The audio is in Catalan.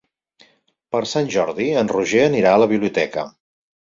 Per Sant Jordi en Roger anirà a la biblioteca.